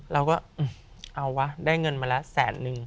เราก็เอาวะได้เงินมาแล้วแสนนึง